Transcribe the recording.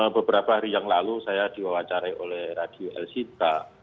beberapa hari yang lalu saya diwawancari oleh radio el sita